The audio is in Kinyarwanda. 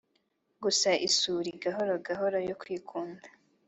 gusa isuri gahoro gahoro yo kwikunda